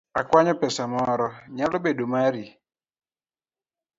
Akwanyo pesa moro , nyalo bedo mari?